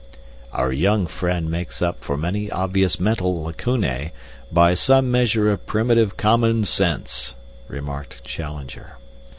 "Our young friend makes up for many obvious mental lacunae by some measure of primitive common sense," remarked Challenger.